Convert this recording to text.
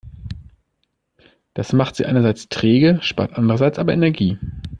Das macht sie einerseits träge, spart andererseits aber Energie.